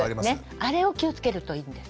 あれを気をつけるといいんです。